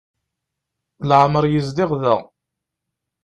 Leɛmer yezdiɣ da.